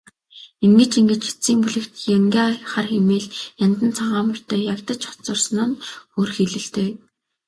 Ингэж ингэж эцсийн бүлэгт янгиа хар эмээл, яндан цагаан морьтой ягдаж хоцорсон нь хөөрхийлөлтэй.